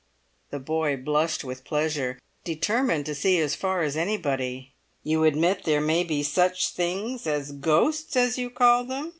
The boy blushed with pleasure, determined to see as far as anybody. "You admit there may be such things as ghosts, as you call them?"